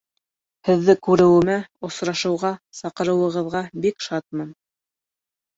Һеҙҙе күреүемә, осрашыуға саҡырыуығыҙға бик шатмын!